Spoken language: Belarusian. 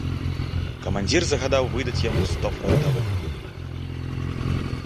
Камандзір загадаў выдаць яму сто франтавых.